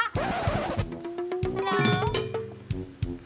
ฮัลโหล